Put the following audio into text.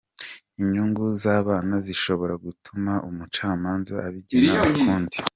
Inyungu z’abana zishobora gutuma umucamanza abigena ukundi.